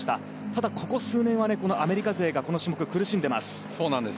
ただ、ここ数年はアメリカ勢がこの種目、苦しんでいます。